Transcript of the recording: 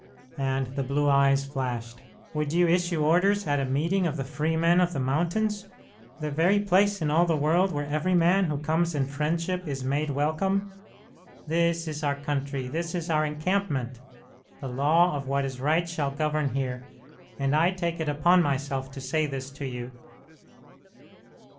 and the blue eyes flashed. "Would you issue orders at a meeting of the free men of the mountains the very place in all the world where every man who comes in friendship is made welcome? This is our country. This is our encampment. The law of what is right shall govern here; and I take it upon myself to say this to you!"